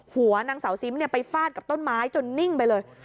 หัวนางสาวซิมไปฟาดกับต้นไม้จนนิ่งไปเลย